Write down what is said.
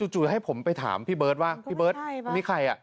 จู่ให้ผมไปถามพี่เบิร์ตว่าพี่เบิร์ตมีใครอ่ะ